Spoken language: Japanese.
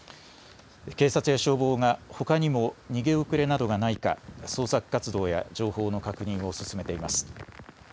警察や消防がほかにも逃げ遅れなどがないか捜索活動や情報の確認を進めています。